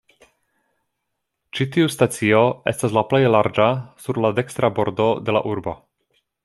Ĉi tiu stacio estas la plej larĝa sur la dekstra bordo de la urbo.